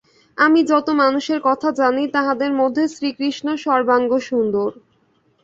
আমি যত মানুষের কথা জানি, তাহাদের মধ্যে শ্রীকৃষ্ণ সর্বাঙ্গসুন্দর।